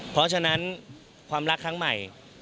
เพราะฉะนั้นความรักครั้งใหม่